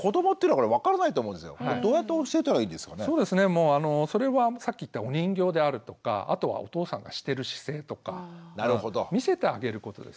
もうあのそれはさっき言ったお人形であるとかあとはお父さんがしてる姿勢とか見せてあげることですね。